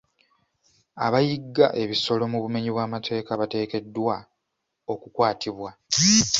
Abayigga ebisolo mu bumennyi bw'amateeka bateekeddwa okukwatibwa.